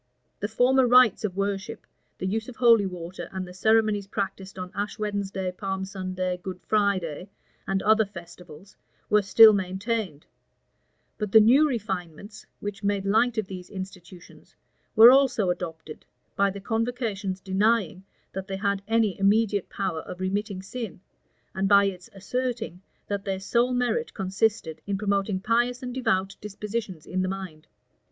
The former rites of worship, the use of holy water, and the ceremonies practised on Ash Wednesday, Palm Sunday, Good Friday, and other festivals, were still maintained; but the new refinements, which made light of these institutions, were also adopted, by the convocation's denying that they had any immediate power of remitting sin, and by its asserting that their sole merit consisted in promoting pious and devout dispositions in the mind.